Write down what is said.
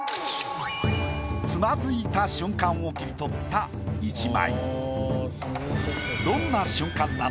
つまずいた瞬間を切り取った一枚。